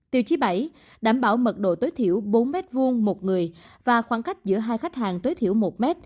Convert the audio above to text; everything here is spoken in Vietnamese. tiêu chí bảy đảm bảo mật độ tối thiểu bốn m hai một người và khoảng cách giữa hai khách hàng tối thiểu một m